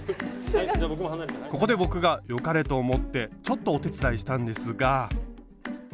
ここで僕がよかれと思ってちょっとお手伝いしたんですが。